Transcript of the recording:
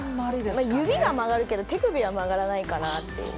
指が曲がるけど手首は曲がらないかなと。